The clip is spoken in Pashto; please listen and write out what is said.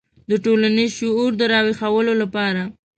د ټولنیز شعور د راویښولو لپاره.